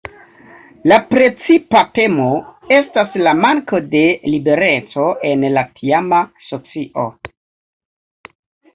La precipa temo estas la manko de libereco en la tiama socio.